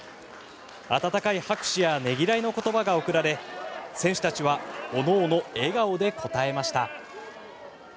温かい拍手やねぎらいの言葉が送られ選手たちは各々笑顔で応えました。